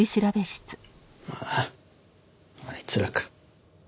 あああいつらか。